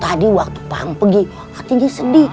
tadi waktu pergi hatinya sedih